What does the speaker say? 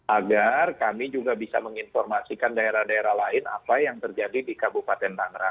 agar kami juga bisa menginformasikan daerah daerah lain apa yang terjadi di kabupaten tangerang